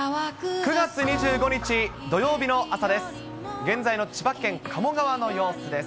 ９月２５日土曜日の朝です。